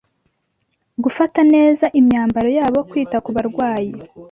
gufata neza imyambaro yabo, kwita ku barwayi